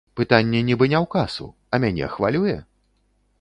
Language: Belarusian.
Пытанне нібы не ў касу, а мяне хвалюе?